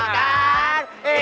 kalau pada rewetkan